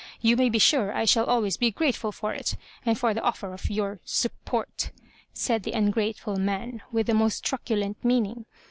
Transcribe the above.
You may be sure I shall always be grateful for it ; and for the oflfer of your support^'* said the ungrateful man, with the most truculent meaning.